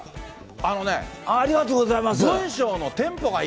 ありがとうございます。